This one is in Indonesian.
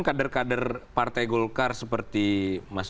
kader kader partai golkar seperti mas